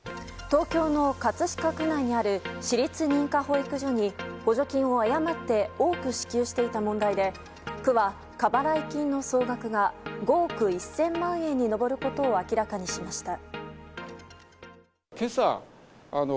東京の葛飾区内にある私立認可保育所に補助金を誤って多く支給していた問題で区は過払い金の総額が５億１０００万円に上ることを明らかにしました。